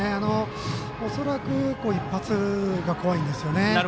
恐らく一発が怖いんですね。